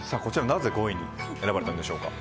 なぜ５位に選ばれたんでしょうか。